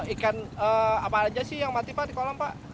ikan apa aja sih yang mati pak di kolam pak